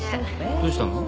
どうしたの？